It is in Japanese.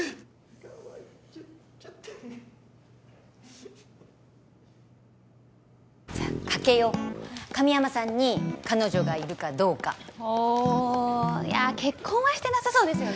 かわいいチュッチュッてじゃ賭けよう神山さんに彼女がいるかどうかおいや結婚はしてなさそうですよね